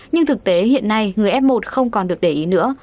nhưng thực tế hiện nay người f một không còn được để ý nữa